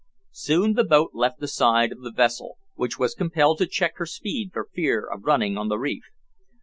Soon the boat left the side of the vessel, which was compelled to check her speed for fear of running on the reef.